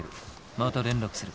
また連絡する。